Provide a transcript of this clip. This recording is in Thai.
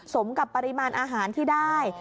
สมกับปริมาณอาหารที่ได้